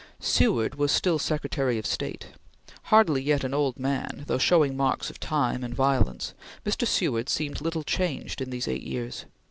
Seward was still Secretary of State. Hardly yet an old man, though showing marks of time and violence, Mr. Seward seemed little changed in these eight years.